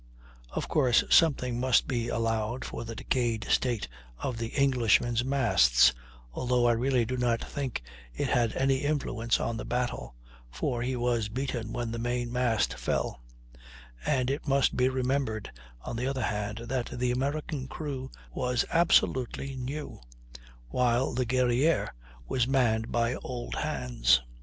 Of course, something must be allowed for the decayed state of the Englishman's masts, although I really do not think it had any influence on the battle, for he was beaten when the main mast fell; and it must be remembered, on the other hand, that the American crew was absolutely new, while the Guerrière was manned by old hands.